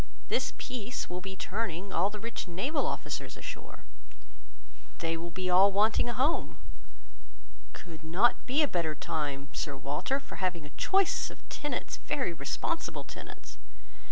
This peace will be turning all our rich naval officers ashore. They will be all wanting a home. Could not be a better time, Sir Walter, for having a choice of tenants, very responsible tenants.